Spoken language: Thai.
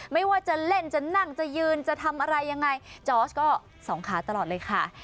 ไม่ว่าจะเล่นจะนั่งจะยืนจะทำอะไรยังไงจอร์สก็สองขาตลอดเลยค่ะ